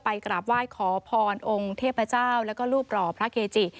กราบไหว้ขอพรองค์เทพเจ้าแล้วก็รูปหล่อพระเกจิ